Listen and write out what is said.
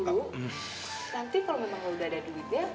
nanti kalo memang lo udah ada duitnya